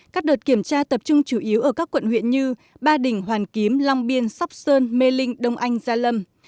các đợt kiểm tra tập trung chủ yếu ở các quận huyện như ba đình hoàn kiếm long biên sóc sơn mê linh đông anh gia lâm